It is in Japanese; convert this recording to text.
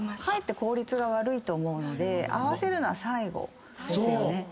かえって効率が悪いと思うので会わせるのは最後ですよね。